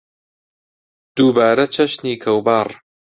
دووبارە چەشنی کەوباڕ